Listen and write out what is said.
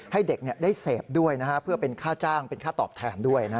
ให้เด็กได้เสพด้วยเพื่อเป็นค่าจ้างเป็นค่าตอบแทนด้วย